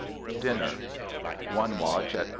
DINNER. One watch at 12.